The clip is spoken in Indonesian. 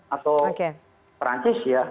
atau perancis ya